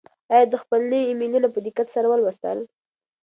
آیا ده خپل نوي ایمیلونه په دقت سره ولوستل؟